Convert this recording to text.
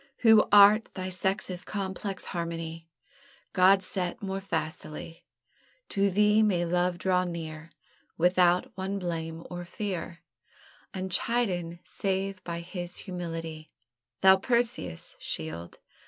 Who art thy sex's complex harmony God set more facilely; To thee may love draw near Without one blame or fear, Unchidden save by his humility: Thou Perseus' Shield!